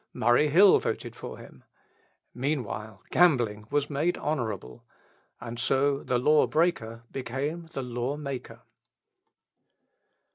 Murray Hill voted for him. Meanwhile gambling was made honourable. And so the law breaker became the law maker.